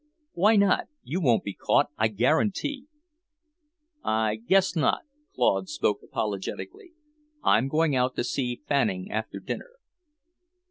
"Why not? You won't be caught, I guarantee." "I guess not." Claude spoke apologetically. "I'm going out to see Fanning after dinner."